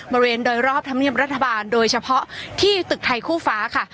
บริเวณโดยรอบธรรมเนียบรัฐบาลโดยเฉพาะที่ตึกไทยคู่ฟ้าค่ะ